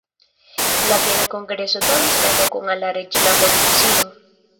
La Viena kongreso donis la lokon al la reĝlando Prusio.